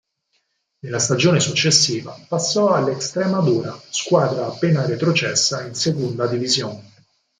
Nella stagione successiva passò all'Extremadura, squadra appena retrocessa in Segunda División.